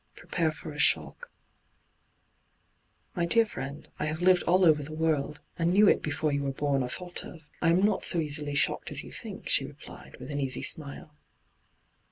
' Prepare for a shock,' ' My dear friend, I have lived all over the world — and knew it before you were bom or thought of — I am not so easily shocked as you think,' she replied, with an easy smile.